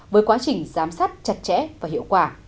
với quá trình giám sát chặt chẽ và hiệu quả